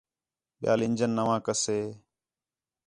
ٻِیال انجن نَوا کَسے